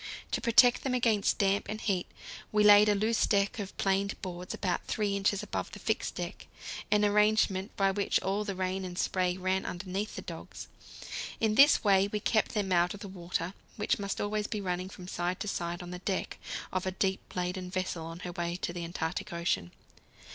To protect them against damp and heat we laid a loose deck of planed boards about 3 inches above the fixed deck, an arrangement by which all the rain and spray ran underneath the dogs. In this way we kept them out of the water, which must always be running from side to side on the deck of a deep laden vessel on her way to the Antarctic Ocean.